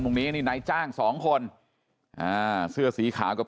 ตรงนี้นี่ในจ้างสองคนค่ะสแต่ว่าจะซื้อสีขาวกับ